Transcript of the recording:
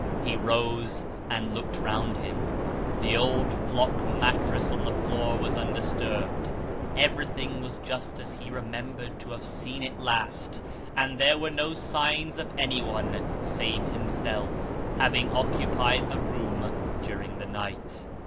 He rose, and looked round him ; the old flock mattress on the floor was undisturbed ; everything was just as he remembered to have seen it last : and there were no signs of anyone, save himself, having occupied the room during the night.